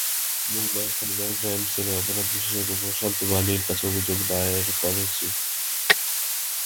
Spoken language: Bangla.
মুম্বাই সাইবার ক্রাইম সেলের অপরাধ-বিশেষজ্ঞ প্রশান্ত মালির কাছে অভিযোগ দায়ের করেছি।